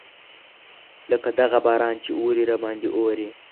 لکه دغه باران چې اوري راباندې اوري.